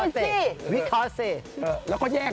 เซลล์เช้าบนจันเนค